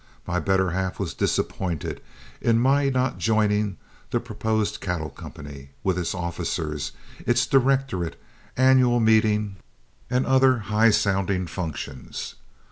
My better half was disappointed in my not joining in the proposed cattle company, with its officers, its directorate, annual meeting, and other high sounding functions.